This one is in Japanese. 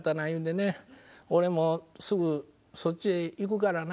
「俺もすぐそっちへ行くからな」